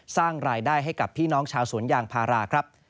สร้างรายได้ให้กับพี่น้องชาวสวนยางพาราครับ